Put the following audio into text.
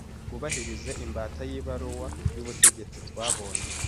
Wubahirize imbata y’ibaruwa y’ ubutegetsi twabonye.